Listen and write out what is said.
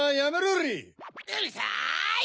うるさい！